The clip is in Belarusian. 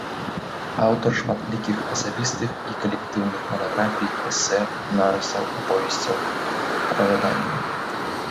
Аўтар шматлікіх асабістых і калектыўных манаграфій, эсэ, нарысаў, аповесцяў, апавяданняў.